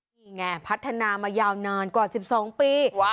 นี่ไงพัฒนามายาวนานกว่า๑๒ปี